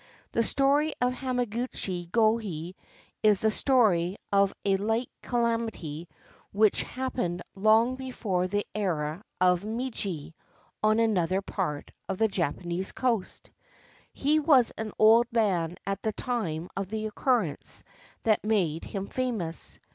The story of Hamaguchi Gohei is the story of a like calamity which happened long before the era of Meiji, on another part of the Japanese coast. He was an old man at the time of the occurrence that made him famous.